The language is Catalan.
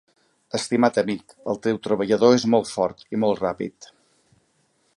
Estimat amic, el teu treballador és molt fort, i molt ràpid.